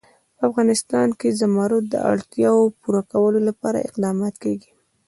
په افغانستان کې د زمرد د اړتیاوو پوره کولو لپاره اقدامات کېږي.